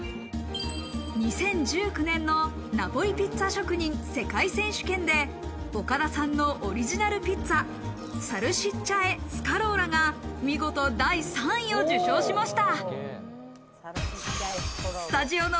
２０１９年のナポリピッツァ職人世界選手権で岡田さんのオリジナルピッツァ、「サルシッチャ＋エスカローラ」が見事、第３位を受賞しました。